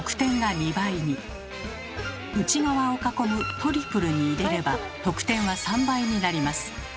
内側を囲む「トリプル」に入れれば得点は３倍になります。